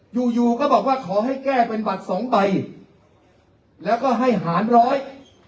อยู่อยู่ก็บอกว่าขอให้แก้เป็นบัตรสองใบแล้วก็ให้หารร้อย